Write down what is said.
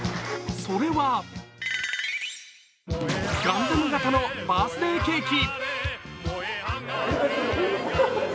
それはガンダム型のバースデーケーキ。